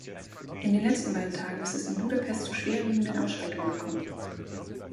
In den letzten beiden Tagen ist es in Budapest zu schwerwiegenden Ausschreitungen gekommen.